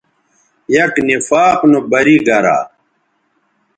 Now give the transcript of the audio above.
یک نفاق نو بری گرا